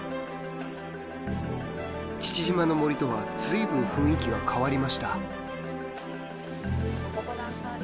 父島の森とは随分雰囲気が変わりました。